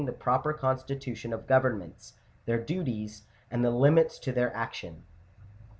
459 the proper constitution of governments, their duties, and the limits to their action.